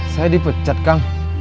saya dipecat kang